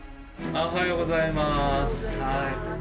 おはようございます。